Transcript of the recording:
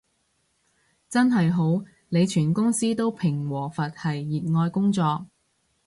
真係好，你全公司都平和佛系熱愛工作